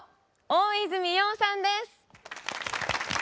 大泉洋さんです！